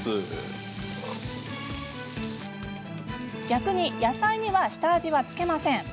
逆に野菜には下味は付けません。